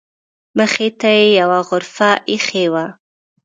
مخې ته یې یوه غرفه ایښې وه.